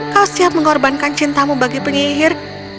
kau siap mengorbankan cintamu bagi penyihir